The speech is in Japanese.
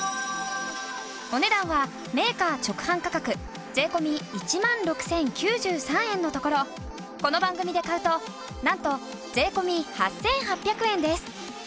お値段はメーカー直販価格税込１万６０９３円のところこの番組で買うとなんと税込８８００円です。